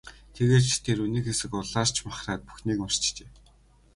Тэгээд ч тэр үү, нэг хэсэг улайрч махраад бүхнийг мартжээ.